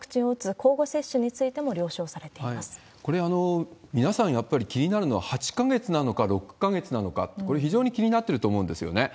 交互接種についても了承されてこれ、皆さん、やっぱり気になるのは８か月なのか６か月なのか、これ、非常に気になってると思うんですよね。